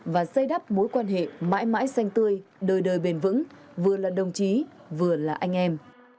và xây đắp mối quan hệ mãi mãi xanh tươi đời đời bền vững vừa là đồng chí vừa là anh em